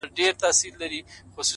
• د سترگو توره سـتــا بـلا واخلـمـه،